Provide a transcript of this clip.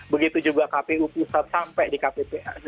begitu juga kpu pusat sampai di kppa